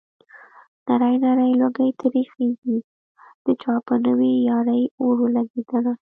نری نری لوګی ترې خيږي د چا په نوې يارۍ اور ولګېدنه